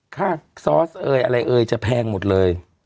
ซอสเอยอะไรเอ่ยจะแพงหมดเลย